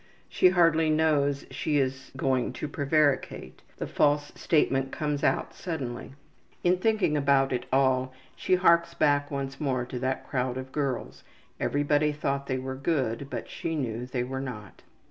She hardly knows she is going to prevaricate; the false statement comes out suddenly. In thinking about it all she harks back once more to that crowd of girls; everybody thought they were good, but she knew they were not.